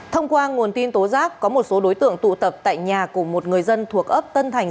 thông qua nguồn tin tố giác có một số đối tượng tụ tập tại nhà của một người dân thuộc ấp tân thành